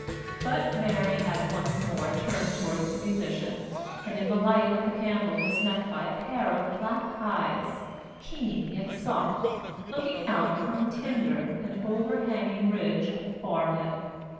But Mary had once more turned toward the musician, and in the light of the candle was met by a pair of black eyes, keen yet soft, looking out from tinder an overhanging ridge of forehead.